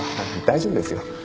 大丈夫ですよ。